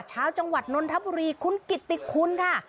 ชาวจังหวัดนนทบุรีคุณกิตติคุณค่ะ